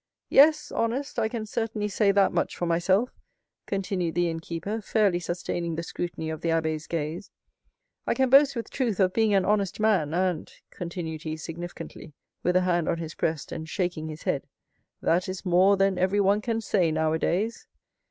"Yes, honest—I can certainly say that much for myself," continued the innkeeper, fairly sustaining the scrutiny of the abbé's gaze; "I can boast with truth of being an honest man; and," continued he significantly, with a hand on his breast and shaking his head, "that is more than everyone can say nowadays."